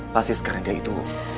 pasti sekarang dia itu